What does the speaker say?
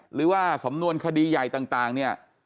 หรือว่าสำนวนคดีใหญ่ต่างเนี่ย